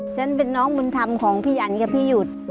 ฉันเป็นน้องบุญธรรมของพี่อันกับพี่หยุด